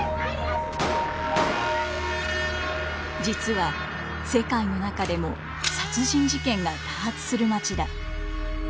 実は世界の中でも殺人事件が多発する街だ。